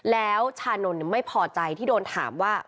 แล้วชานนท์ไม่พอใจที่โดนถามว่า